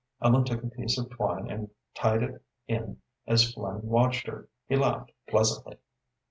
Ellen took a piece of twine and tied it in as Flynn watched her. He laughed pleasantly.